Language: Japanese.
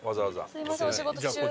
すみませんお仕事中。